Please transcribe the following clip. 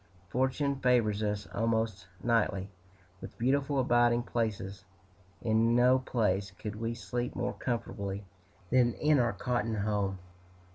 Fortune favors us, almost nightly, with beautiful abiding places. In no place could we sleep more comfortably than in our cotton home.